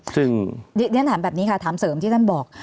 ซึ่งเรียนถามแบบนี้ค่ะถามเสริมที่ท่านบอก